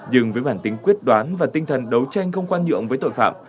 nhưng với bản tính quyết đoán và tinh thần đấu tranh không khoan nhượng với tội phạm